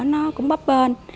nó cũng bấp bên